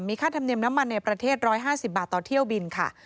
ค่าธรรมเนียมน้ำมันในประเทศ๑๕๐บาทต่อเที่ยวบินค่ะ